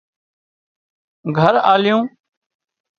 گھر آليُون